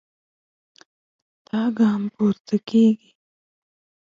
دا ګام پورته کېږي.